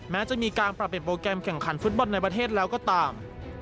แม้จะมีการปรับเปลี่ยนโปรแกรมแข่งขันฟุตบอลในประเทศแล้วก็ตาม